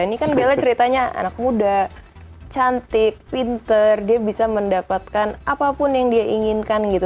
ini kan bella ceritanya anak muda cantik pinter dia bisa mendapatkan apapun yang dia inginkan gitu